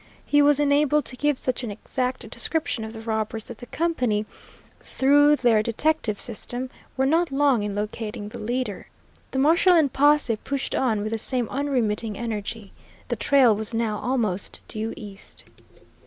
He was enabled to give such an exact description of the robbers that the company, through their detective system, were not long in locating the leader. The marshal and posse pushed on with the same unremitting energy. The trail was now almost due east.